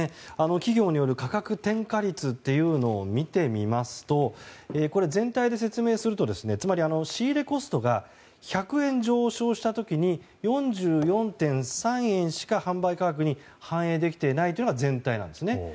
企業による価格転嫁率を見てみますと全体で説明しますとつまり仕入れコストが１００円上昇した時に４４．３円しか販売価格に反映できていないというのが、全体なんですね。